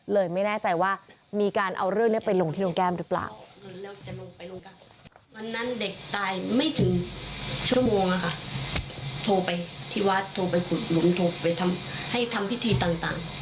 ไม่แน่ใจว่ามีการเอาเรื่องนี้ไปลงที่น้องแก้มหรือเปล่า